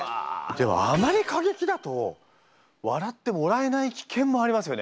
でもあまり過激だと笑ってもらえない危険もありますよね。